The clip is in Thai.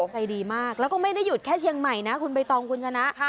ใจดีมากแล้วก็ไม่ได้หยุดแค่เชียงใหม่นะคุณใบตองคุณชนะ